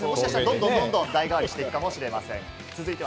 もしかしたらどんどんダンベルが代替わりしていくかもしれません。